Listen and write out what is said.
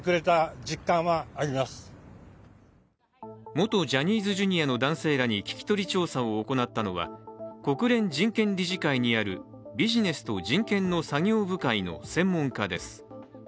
元ジャニーズＪｒ．の男性らに聞き取り調査を行ったのは国連人権理事会にあるビジネスと人権の作業部会の専門家です。